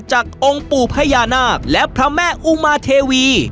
องค์ปู่พญานาคและพระแม่อุมาเทวี